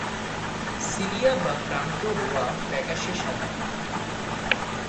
Cilia বা প্রান্ত-রোঁয়া ফ্যাকাশে সাদা।